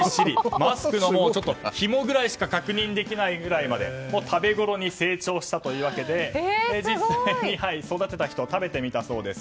マスクのひもぐらいしか確認できないぐらいまで食べごろに成長したというわけで実際に育てた人は食べたそうです。